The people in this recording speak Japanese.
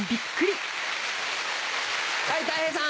はいたい平さん。